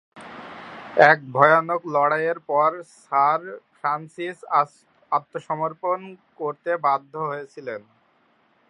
এক ভয়ানক লড়াইয়ের পর স্যার ফ্রান্সিস আত্মসমর্পণ করতে বাধ্য হয়েছিলেন।